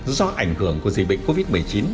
do ảnh hưởng của dịch bệnh covid một mươi chín